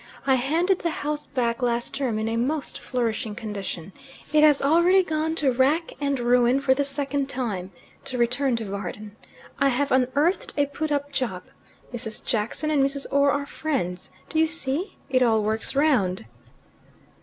I handed the house back last term in a most flourishing condition. It has already gone to rack and ruin for the second time. To return to Varden. I have unearthed a put up job. Mrs. Jackson and Mrs. Orr are friends. Do you see? It all works round."